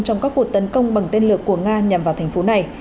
trong các cuộc tấn công bằng tên lửa của nga nhằm vào thành phố này